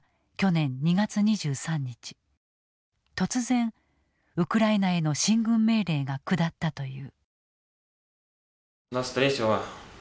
突然ウクライナへの進軍命令が下ったという。